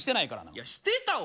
いやしてたわ！